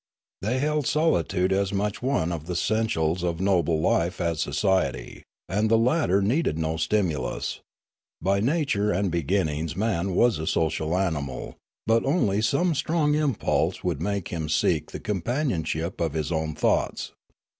They held solitude as much one of the essentials of noble life as society; and the latter needed no stimulus; by nature and be ginnings man was a social animal, but only some strong impulse would make him seek the companionship of his own thoughts.